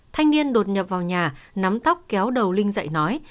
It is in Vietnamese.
thanh niên đột nhập vào nhà nắm tóc kéo đầu linh dạy nói